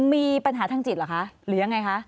มีปัญหาทางจิตเหรอคะหรือยังไงคะ